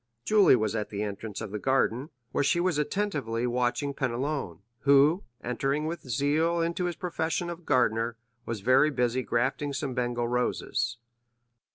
Julie was at the entrance of the garden, where she was attentively watching Penelon, who, entering with zeal into his profession of gardener, was very busy grafting some Bengal roses.